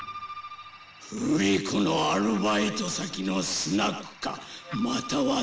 ルリ子のアルバイト先のスナックかまたはその途中だ。